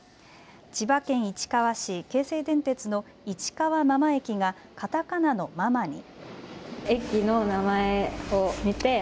千葉県市川市、京成電鉄の市川真間駅がカタカナのママに。